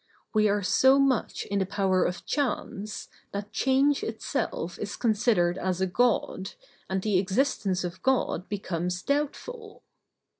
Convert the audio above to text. We are so much in the power of chance, that change itself is considered as a God, and the existence of God becomes doubtful.